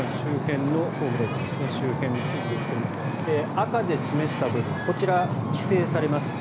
武道館周辺の地図ですけども赤で示した部分こちら、規制されます。